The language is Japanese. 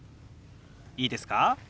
いいですか？